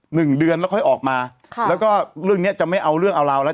หนึ่งเดือนแล้วค่อยออกมาค่ะแล้วก็เรื่องเนี้ยจะไม่เอาเรื่องเอาราวแล้ว